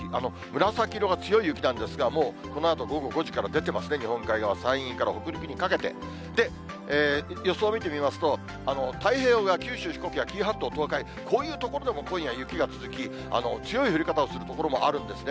紫色が強い雪なんですが、もうこのあと午後５時から出てますね、日本海側、山陰から北陸にかけて予想見てみますと、太平洋側、九州、四国や紀伊半島、東海、こういう所でも今夜、雪が続き、強い降り方をする所もあるんですね。